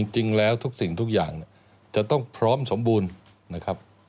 จริงแล้วทุกสิ่งทุกอย่างจะต้องพร้อมสมบูรณ์นะครับ